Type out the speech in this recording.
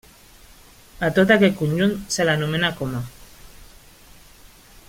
A tot aquest conjunt se l'anomena coma.